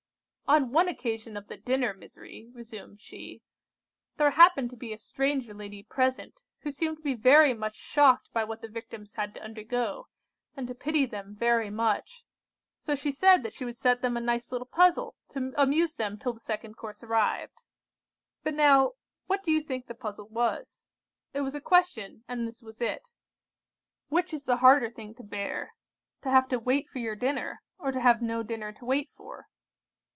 "On one occasion of the dinner misery," resumed she, "there happened to be a stranger lady present, who seemed to be very much shocked by what the Victims had to undergo, and to pity them very much; so she said she would set them a nice little puzzle to amuse them till the second course arrived. But now, what do you think the puzzle was? It was a question, and this was it. 'Which is the harder thing to bear—to have to wait for your dinner, or to have no dinner to wait for?